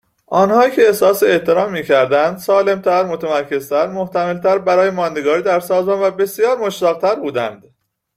آنهایی که احساس احترام میکردند سالمتر، متمرکزتر، محتملتر برای ماندگاری در سازمان و بسیار مشتاقتر بودند